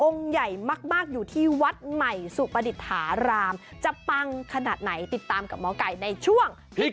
ใหญ่มากอยู่ที่วัดใหม่สุประดิษฐารามจะปังขนาดไหนติดตามกับหมอไก่ในช่วง